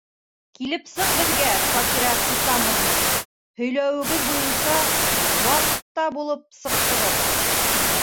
Килеп сыҡ беҙгә, Шакира Хисамовна, һөйләүегеҙ буйынса, зат та булып сыҡтығыҙ.